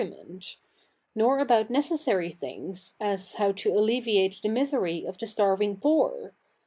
liament ; nor about necessary things, as hotv to alleviate the misery of the stai'ving poor